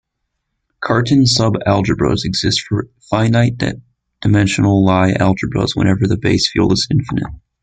Cartan subalgebras exist for finite-dimensional Lie algebras whenever the base field is infinite.